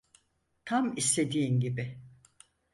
Tam istediğin gibi.